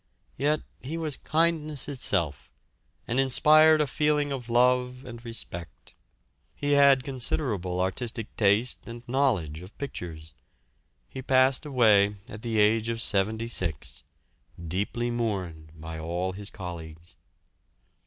Yet he was kindness itself, and inspired a feeling of love and respect. He had considerable artistic taste and knowledge of pictures. He passed away at the age of 76, deeply mourned by all his colleagues.